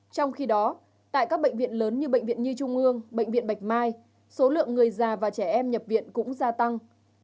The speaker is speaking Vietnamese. trong khi đó tại các bệnh viện lớn như bệnh viện nhi trung ương bệnh viện bạch mai số lượng người già và trẻ em nhập viện cũng gia tăng